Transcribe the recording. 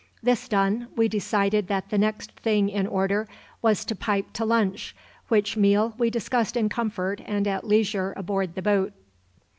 This done, we decided that the next thing in order was to pipe to lunch, which meal we discussed in comfort and at leisure aboard the boat.